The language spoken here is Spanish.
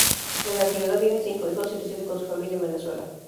En la actualidad tiene cinco hijos y reside con su familia en Venezuela.